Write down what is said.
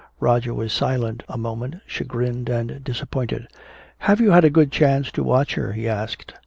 Roger was silent a moment, chagrined and disappointed. "Have you had a good chance to watch her?" he asked.